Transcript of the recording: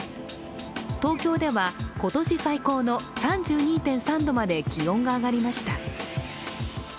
東京では今年最高の３２．３度まで気温が上がりました。